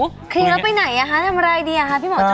เคลียร์แล้วไปไหนอะคะทำอะไรดีอะคะพี่หมอจอ